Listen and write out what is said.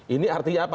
ini artinya apa